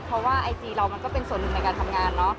เพราะว่าไอจีเรามันก็เป็นส่วนหนึ่งในการทำงานเนอะ